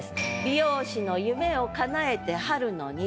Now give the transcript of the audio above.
「美容師の夢を叶えて春の虹」。